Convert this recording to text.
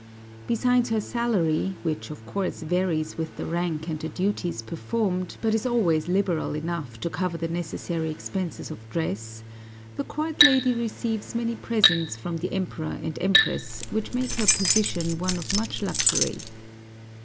Besides her salary, which of course varies with the rank and the duties performed, but is always liberal enough to cover the necessary expenses of dress, the court lady receives many presents from the Emperor and Empress, which make her position one of much luxury.